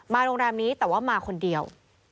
โรงแรมนี้แต่ว่ามาคนเดียว